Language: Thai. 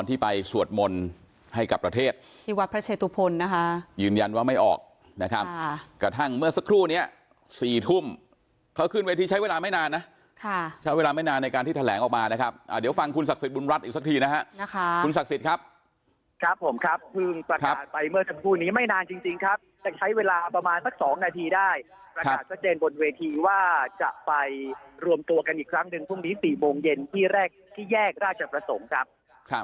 ที่ไปสวดมนตร์ให้กับประเทศที่วัดพระเชษฐุพลนะคะยืนยันว่าไม่ออกนะครับกระทั่งเมื่อสักครู่นี้สี่ทุ่มเขาขึ้นเวทีใช้เวลาไม่นานนะค่ะใช้เวลาไม่นานในการที่แถลงออกมานะครับอ่าเดี๋ยวฟังคุณศักดิ์สิทธิ์บุญรัฐอีกสักทีนะฮะนะคะคุณศักดิ์สิทธิ์ครับครับผมครับเพิ่งประกาศไปเมื่อ